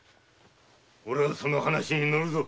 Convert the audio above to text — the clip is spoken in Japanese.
オレはその話に乗るぞ。